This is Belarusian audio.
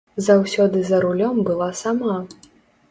Заўсёды за рулём была сама.